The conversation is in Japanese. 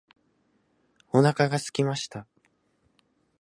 お腹が空きました。